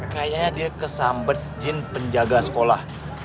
kayaknya dia kesambet jin penjaga sekolah